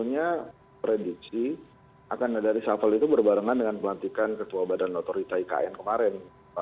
saya prediksi akan ada risafel itu berbarengan dengan pelantikan ketua badan notorita ikn kemarin